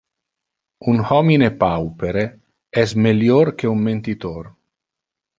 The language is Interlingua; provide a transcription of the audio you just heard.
Un homine paupere es melior que un mentitor.